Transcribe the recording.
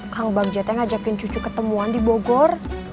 kang bagjetnya ngajakin cucu ketemuan di bogor